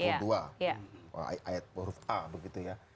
ayat a begitu ya